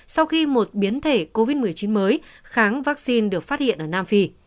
sau khi một biến thể covid một mươi chín mới kháng vaccine được phát hiện ở nam phi